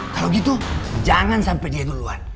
kalo gitu jangan sampe dia duluan